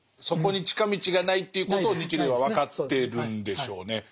そこに近道がないということを日蓮は分かってるんでしょうね。